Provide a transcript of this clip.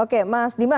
oke mas dima